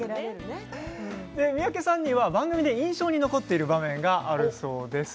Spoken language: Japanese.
三宅さんには番組で印象に残っている場面があるそうです。